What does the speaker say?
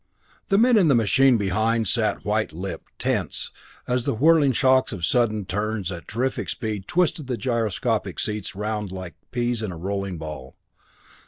The men in the machine behind sat white lipped, tense, as the whirling shocks of sudden turns at terrific speed twisted the gyroscopic seats around like peas in a rolling ball.